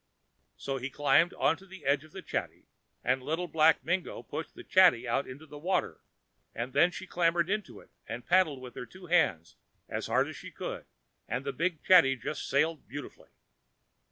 So he climbed on to the edge of the chatty, and Little Black Mingo pushed the chatty out into the water, and then she clambered into it and paddled with her two hands as hard as she could, and the big chatty just sailed beautifully.